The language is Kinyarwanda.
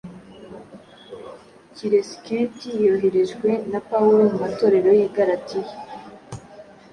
Kiresikenti yoherejwe na Pawulo mu matorero y’i Galatiya;